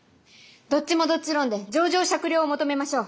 どっちもどっち論で情状酌量を求めましょう！